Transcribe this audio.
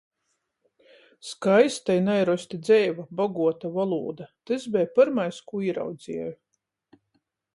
Skaista i naīrosti dzeiva, bogota volūda - tys beja pyrmais, kū īraudzeju.